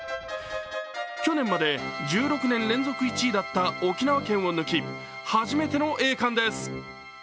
去年まで１６年連続１位だった沖縄県を抜き、初めての栄冠です。